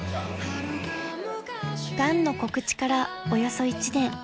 ［がんの告知からおよそ１年］